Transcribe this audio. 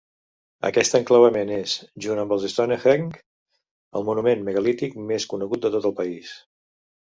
Aquest enclavament és, junt amb Stonehenge, el monument megalític més conegut de tot el país.